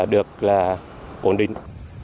được ổn định